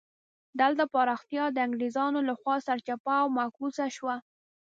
دلته پراختیا د انګرېزانو له خوا سرچپه او معکوسه شوه.